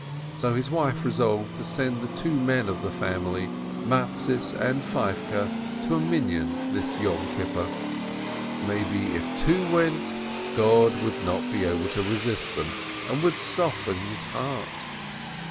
So his wife resolved to send the two men of the family, Mattes and Feivke, to a Minyan this Yom Kippur. Maybe, if two went, God would not be able to resist them, and would soften His heart.